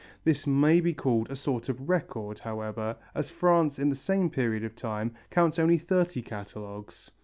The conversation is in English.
This may be called a sort of record, however, as France in the same period of time counts only thirty catalogues.